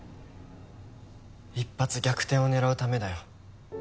一発逆転を狙うためだよ。